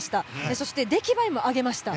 そして、出来栄えも上げました。